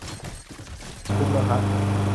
คุ้มแล้วฮะ